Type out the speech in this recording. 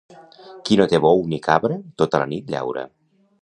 Qui no té bou ni cabra, tota la nit llaura.